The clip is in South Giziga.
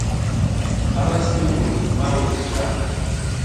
A ra sipi mbur ma wuɗ slra.